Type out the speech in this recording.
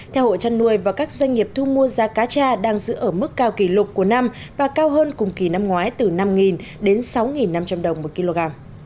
theo hộ chăn nuôi và các doanh nghiệp thu mua giá cá tra đang giữ ở mức cao kỷ lục của năm và cao hơn cùng kỳ năm ngoái từ năm đến sáu năm trăm linh đồng một kg